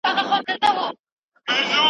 څوک د کور او عزت ساتنه کوي؟